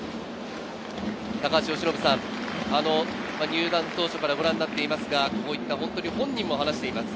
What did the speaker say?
高橋由伸さん、入団当初からご覧になっていますが、本人も話しています。